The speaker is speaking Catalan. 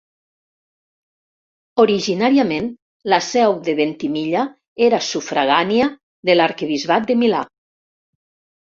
Originàriament, la seu de Ventimiglia era sufragània de l'arquebisbat de Milà.